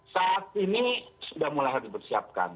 saat ini sudah mulai harus dipersiapkan